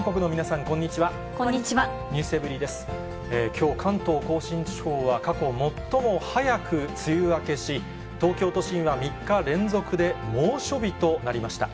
きょう、関東甲信地方は過去最も早く梅雨明けし、東京都心は３日連続で猛暑日となりました。